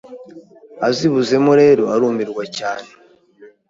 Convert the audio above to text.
Azibuzemo rero arumirwa cyane